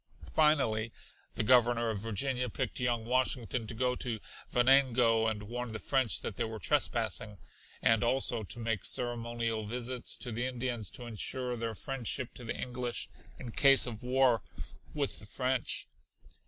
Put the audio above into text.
Finally the Governor of Virginia picked young Washington to go to Venango and warn the French that they were trespassing, and also to make ceremonial visits to the Indians to ensure their friendship to the English in case of war with the French.